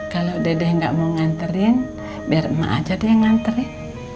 kalau dede gak mau nganterin biar emak aja deh yang nganterin